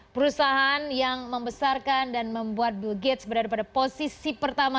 perusahaan yang membesarkan dan membuat bill gates berada pada posisi pertama